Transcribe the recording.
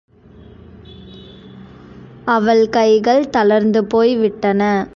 அவள் கைகள் தளர்ந்து போய்விட்டன.